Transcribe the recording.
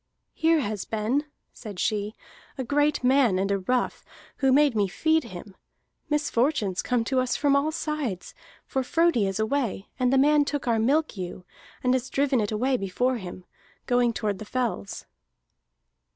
"Here has been," said she, "a great man and a rough, who made me feed him. Misfortunes come to us from all sides, for Frodi is away, and the man took our milk ewe, and has driven it away before him, going toward the fells."